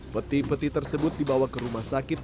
peti peti tersebut dibawa ke rumah sakit